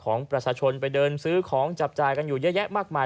ของประชาชนไปเดินซื้อของจับจ่ายกันอยู่เยอะแยะมากมาย